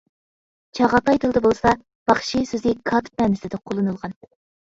چاغاتاي تىلىدا بولسا ‹باخشى› سۆزى ‹كاتىپ› مەنىسىدە قوللىنىلغان.